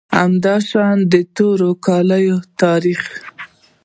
همداشان د توري کلا تاریخي